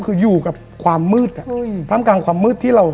คืออยู่กับความมืดอ่ะท่ามกลางความมืดที่เรา